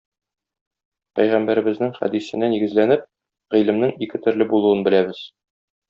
Пәйгамбәребезнең хәдисенә нигезләнеп, гыйлемнең ике төрле булуын беләбез.